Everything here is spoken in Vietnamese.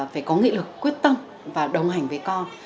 phải có nghị lực quyết tâm và đồng hành với con